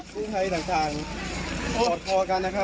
ดูสิคะแต่ละคนกอดคอกันหลั่นน้ำตา